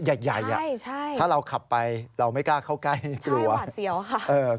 ใหญ่อ่ะถ้าเราขับไปเราไม่กล้าเข้าใกล้กลัวใช่หวัดเสียวค่ะ